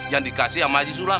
yang dikasih sama haji sulam